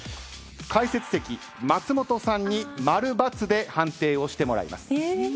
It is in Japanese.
解説席松本さんにマルバツで判定をしてもらいます。